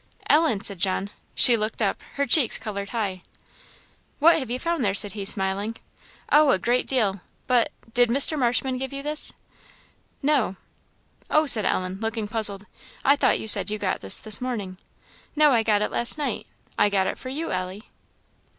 "Ellen!" said John. She looked up her cheeks coloured high. "What have you found there?" said he, smiling. "Oh, a great deal! But did Mr. Marshman give you this?" "No." "O!" said Ellen, looking puzzled, "I thought you said you got this this morning." "No, I got it last night. I got it for you, Ellie."